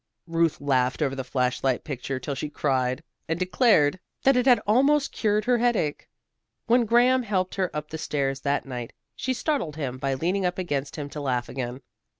Ruth laughed over the flash light picture till she cried, and declared that it had almost cured her headache. When Graham helped her up the stairs that night, she startled him by leaning up against him to laugh again.